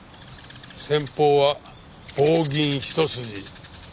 戦法は棒銀一筋。